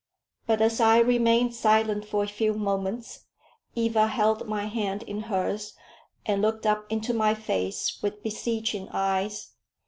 But as I remained silent for a few moments, Eva held my hand in hers, and looked up into my face with beseeching eyes.